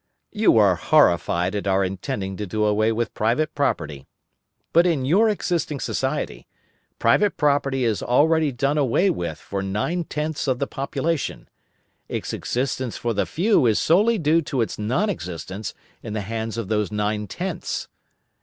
You are horrified at our intending to do away with private property. But in your existing society, private property is already done away with for nine tenths of the population; its existence for the few is solely due to its non existence in the hands of those nine tenths.